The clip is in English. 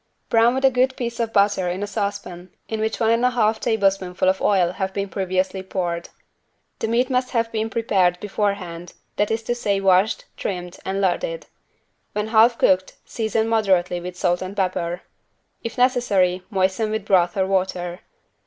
Brown with a good piece of butter in a saucepan in which one and a half tablespoonful of oil have been previously poured. The meat must have been prepared beforehand, that is to say washed, trimmed and larded. When half cooked, season moderately with salt and pepper. If necessary, moisten with broth or water.